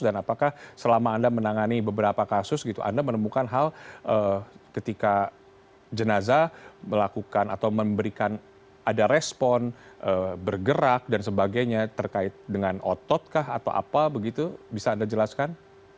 apakah selama anda menangani beberapa kasus gitu anda menemukan hal ketika jenazah melakukan atau memberikan ada respon bergerak dan sebagainya terkait dengan otot kah atau apa begitu bisa anda jelaskan